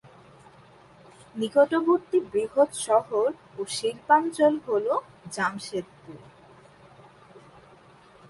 নিকটবর্তী বৃহৎ শহর ও শিল্পাঞ্চল হল জামশেদপুর।